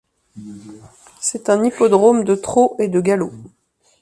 C'est un hippodrome de trot et de galop.